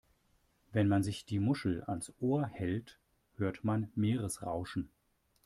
Wenn man sich die Muschel ans Ohr hält, hört man Meeresrauschen.